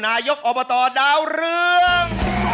นายกอบตดาวเรือง